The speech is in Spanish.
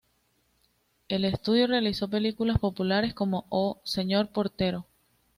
El estudio realizó películas populares como Oh, Señor Portero!